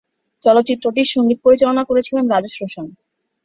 চলচ্চিত্রটির সঙ্গীত পরিচালনা করেছিলেন রাজেশ রোশন।